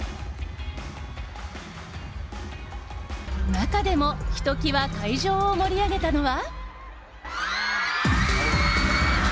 中でもひときわ会場を盛り上げたのは。